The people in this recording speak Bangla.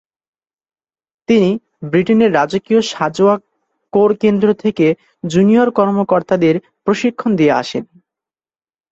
তিনি ব্রিটেনের রাজকীয় সাঁজোয়া কোর কেন্দ্র থেকে জুনিয়র কর্মকর্তাদের প্রশিক্ষণ নিয়ে আসেন।